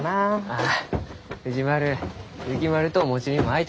ああ藤丸雪丸とおもちにも会いたいがやろ？